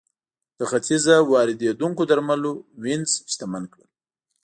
له ختیځه واردېدونکو درملو وینز شتمن کړ.